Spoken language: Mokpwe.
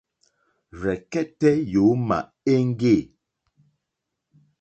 Rzɛ̀kɛ́tɛ́ yǒmà éŋɡê.